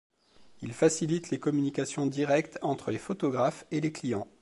Il facilite les communications directes entre les photographes et les clients.